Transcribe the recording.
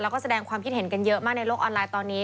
แล้วก็แสดงความคิดเห็นกันเยอะมากในโลกออนไลน์ตอนนี้